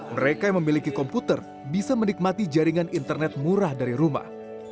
mereka yang memiliki komputer bisa menikmati jaringan internet murah dari rumah